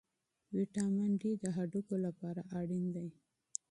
ویټامن ډي د هډوکو لپاره اړین دی.